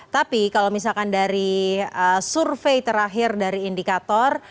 tapi kalau misalkan dari survei terakhir dari indikator